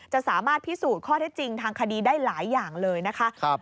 จะสามารถพิสูจน์ข้อเท็จจริงทางคดีได้หลายอย่างเลยนะคะ